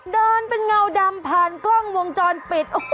เดินเป็นเงาดำผ่านกล้องวงจรปิด